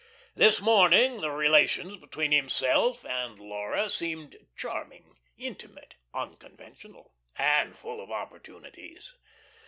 This morning the relations between himself and Laura seemed charming, intimate, unconventional, and full of opportunities.